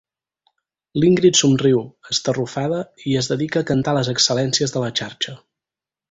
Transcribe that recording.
L'Ingrid somriu, estarrufada, i es dedica a cantar les excel·lències de la xarxa.